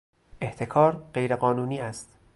احتکار غیرقانونی است.